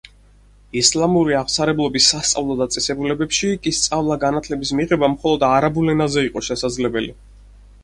ისლამური აღმსარებლობის სასწავლო დაწესებულებებში კი სწავლა-განათლების მიღება მხოლოდ არაბულ ენაზე იყო შესაძლებელი.